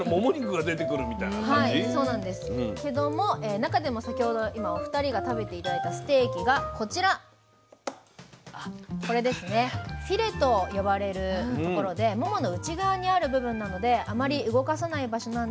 はいそうなんですけども中でも先ほど今お二人が食べて頂いたステーキがこちらフィレと呼ばれるところでモモの内側にある部分なのであまり動かさない場所なんでやわらくきめ細かい肉質なんですよ。